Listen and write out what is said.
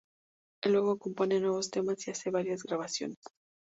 Luego compone nuevos temas y hace varias grabaciones.